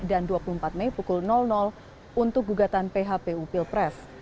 dan dua puluh empat mei pukul untuk gugatan phpu pilpres